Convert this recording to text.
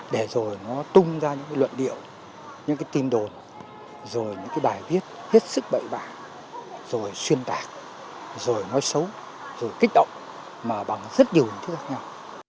để rồi nó tung ra những luận điệu những tin đồn rồi những bài viết hết sức bậy bạc rồi xuyên tạc rồi nói xấu rồi kích động mà bằng rất nhiều những thứ khác nhau